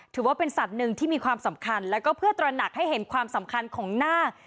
ถือว่าเป็นสัตว์หนึ่งที่มีความสำคัญแล้วก็เพื่อตระหนักให้เห็นความสำคัญของนาค